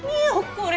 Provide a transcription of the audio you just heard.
これ！